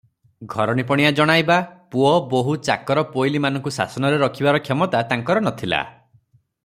ଘରଣୀପଣିଆ ଜଣାଇବା, ପୁଅ ବୋହୂ, ଚାକର, ପୋଇଲୀମାନଙ୍କୁ ଶାସନରେ ରଖିବାର କ୍ଷମତା ତାଙ୍କର ନଥିଲା ।